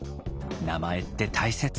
名前って大切。